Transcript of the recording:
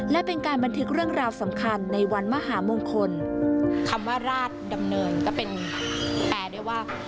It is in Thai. และเป็นการบันทึกเรื่องราวสำคัญในวันมหามงคลคำว่าราชดำเนินก็เป็นแปลได้ว่า